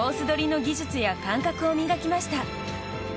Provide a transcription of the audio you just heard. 取りの技術や感覚を磨きました。